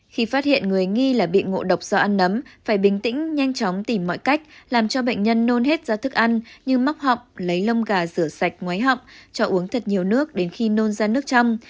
khi phát hiện người nghi là bị ngộ độc do ăn nấm phải bình tĩnh nhanh chóng tìm mọi cách làm cho bệnh nhân nôn hết ra thức ăn như móc họng lấy lông gà rửa sạch ngoái họng cho uống thật nhiều nước đến khi nôn ra nước chăm